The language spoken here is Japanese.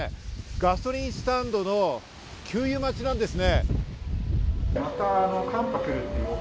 ガソリンスタンドの給油待ちなんですね。